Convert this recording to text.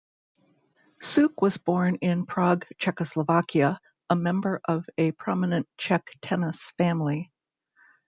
Suk was born in Prague, Czechoslovakia, a member of a prominent Czech tennis family.